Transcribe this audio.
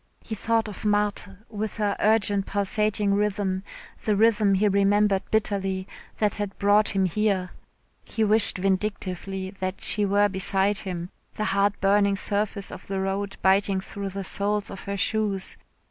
He thought of Marthe with her urgent pulsating rhythm, the rhythm he remembered bitterly, that had brought him here. He wished vindictively that she were beside him, the hard burning surface of the road biting through the soles of her shoes.